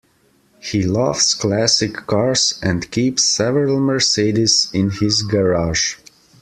He loves classic cars, and keeps several Mercedes in his garage